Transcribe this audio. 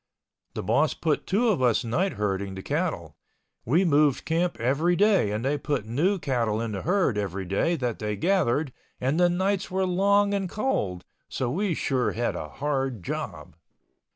The boss put two of us night herding the cattle. We moved camp every day and they put new cattle in the herd every day that they gathered and the nights were long and cold—so we sure had a hard job.